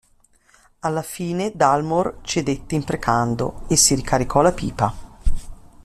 Alla fine, Dalmor cedette imprecando, e si ricaricò la pipa.